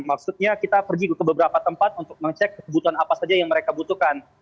maksudnya kita pergi ke beberapa tempat untuk mengecek kebutuhan apa saja yang mereka butuhkan